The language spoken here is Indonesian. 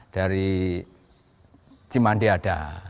dari cimandi ada